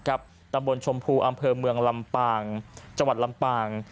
ตำบลชมพูอำเภอเมืองลำปางจังหวัดลำปาง